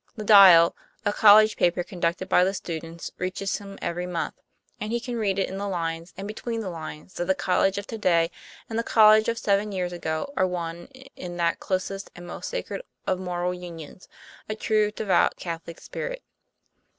The Dial y a college paper conducted by the students, reaches him every month; and he can read in the lines and between the lines that the college of to day and the college of seven years ago are one in that closest and most sacred ot moral unions a true, devout, Catholic spirit.